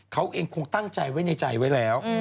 เขาเองคงตั้งใจไว้ในใจไว้แล้ว